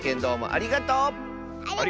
ありがとう！